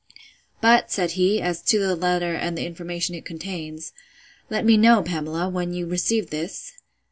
But, said he, as to the letter and the information it contains: Let me know, Pamela, when you received this?